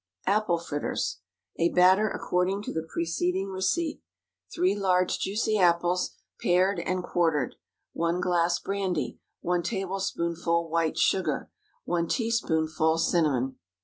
APPLE FRITTERS. ✠ A batter according to the preceding receipt. 3 large juicy apples, pared and quartered. 1 glass brandy. 1 tablespoonful white sugar. 1 teaspoonful cinnamon.